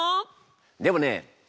でもね